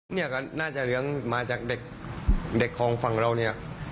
เนี่ยก็น่าจะเลี้ยงมาจากเด็กของฝั่งเราเนี่ย